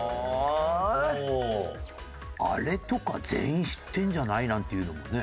あれとか全員知ってるんじゃない？なんていうのもね。